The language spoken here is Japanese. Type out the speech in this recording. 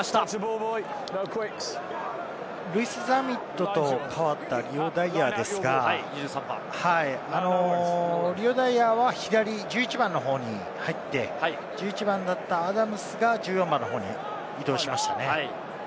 ルイス・リース＝ザミットと代わったリオ・ダイアーですが、リオ・ダイアーは左、１１番の方に入って、１１番だったアダムズが１４番の方に移動しましたね。